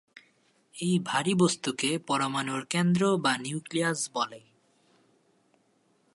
এই ভারী বস্তুকে পরমাণুর কেন্দ্র বা নিউক্লিয়াস বলে।